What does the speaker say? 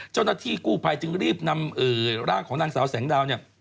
เจ้าหน้าที่กู้ภัยจึงรีบนำร่างของนางสาวแสงดาวเนี่ย